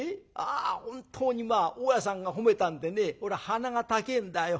あ本当に大家さんが褒めたんでね俺は鼻が高えんだよ。